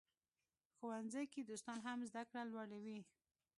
ښوونځي کې دوستان هم زده کړه لوړوي.